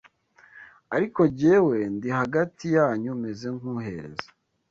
Ariko jyewe ndi hagati yanyu, meze nk’uhereza